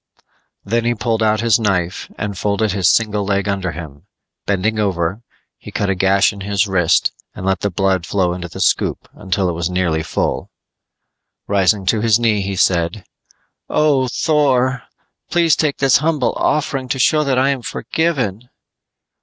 Then he pulled out his knife and folded his single leg under him; bending over, he cut a gash in his wrist and let the blood flow into the scoop until it was nearly full. Rising to his knee he said, "Oh, Thor, please take this humble offering to show that I am forgiven."